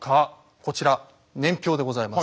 こちら年表でございます。